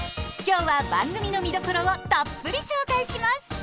今日は番組の見どころをたっぷり紹介します！